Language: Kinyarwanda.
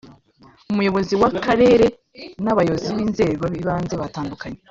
Umuyobozi w'Akarere n'abayobozi b'inzego z'ibanze batandukanye